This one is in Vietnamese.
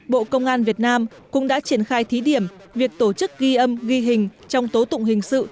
bộ công an việt nam cũng đã triển khai thí điểm việc tổ chức ghi âm ghi hình trong tố tụng hình sự